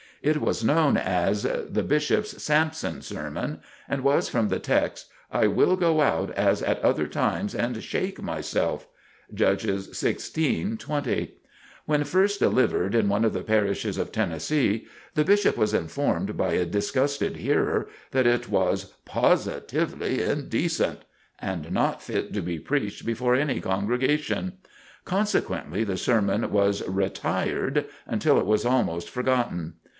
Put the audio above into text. It was known as the "Bishop's Samson Sermon," and was from the text, "I will go out as at other times and shake myself." (Judges xvi, 20.) When first delivered in one of the parishes of Tennessee, the Bishop was informed by a disgusted hearer that it was "positively indecent," and not fit to be preached before any congregation. Consequently the sermon was "retired" until it was almost forgotten.